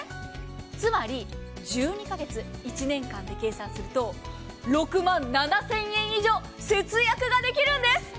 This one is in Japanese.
つまり１２カ月１年間で計算すると６万７０００円以上節約ができるんです。